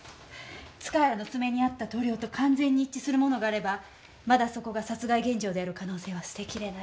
塚原のつめにあった塗料と完全に一致するものがあればまだそこが殺害現場である可能性は捨てきれない。